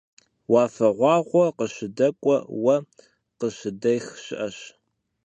Уафэгъуагъуэ къыщыдэкӀуэ, уэ къыщыдех щыӀэщ.